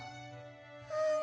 うん。